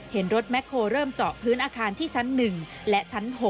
เห็นรถแคลเริ่มเจาะพื้นอาคารที่ชั้น๑และชั้น๖